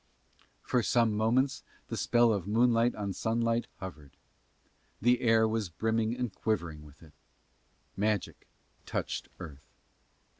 For some moments the spell of moonlight on sunlight hovered: the air was brimming and quivering with it: magic touched earth.